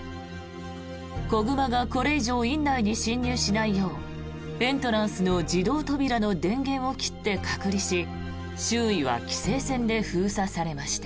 子熊がこれ以上院内に侵入しないようエントランスの自動扉の電源を切って隔離し周囲は規制線で封鎖されました。